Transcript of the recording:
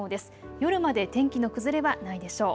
夜まで天気の崩れはないでしょう。